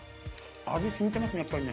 味、しみてますね、やっぱりね。